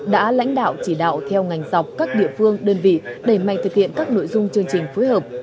đã lãnh đạo chỉ đạo theo ngành dọc các địa phương đơn vị đẩy mạnh thực hiện các nội dung chương trình phối hợp